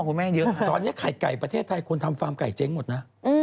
ไข่ไก่ปลอมเหมือนคุณแม่เยอะนะตอนนี้ไข่ไก่ประเทศไทยทุกคนทำฟาร์มไก่เจ๊งหมดนะ